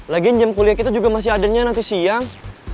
lagiin jam kuliah kita juga masih adanya nanti siang